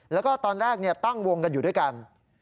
แล้วก็ตอนแรกตั้งวงกันอยู่ด้วยกัน